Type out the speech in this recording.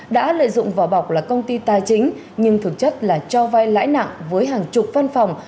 đã lợi dụng vỏ bọc là công ty tài chính nhưng thực chất là cho vai lãi nặng với hàng chục văn phòng